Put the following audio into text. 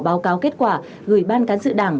báo cáo kết quả gửi ban cán sự đảng